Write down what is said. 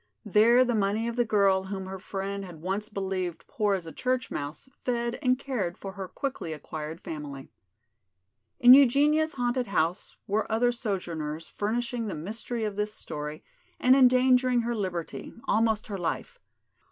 There the money of the girl whom her friend had once believed "poor as a church mouse" fed and cared for her quickly acquired family. In Eugenia's haunted house were other sojourners furnishing the mystery of this story and endangering her liberty, almost her life.